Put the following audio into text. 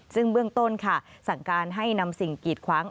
ซึ่งเบื้องต้นค่ะสั่งการให้นำสิ่งกีดขวาง